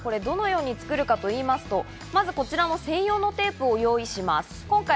どのように作るかと言いますと、まずこちらの専用のテープを用意します。